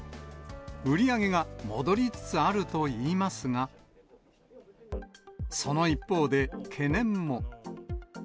売り上げが戻りつつあるといいますが、その一方で、懸念も。